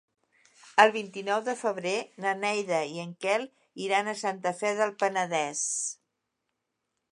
El vint-i-nou de febrer na Neida i en Quel iran a Santa Fe del Penedès.